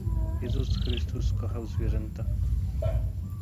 Jezus Chrystus kochał zwierzęta